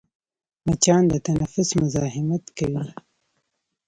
مچان د تنفس مزاحمت کوي